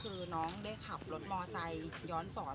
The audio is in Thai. คือน้องได้ขับรถมอไซค์ย้อนสอน